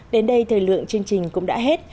đến đây thời lượng chương trình cũng đã hết